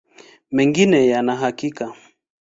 Mengine hayana hakika.